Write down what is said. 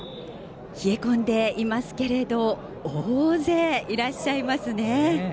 冷え込んでいますけれど大勢いらっしゃいますね。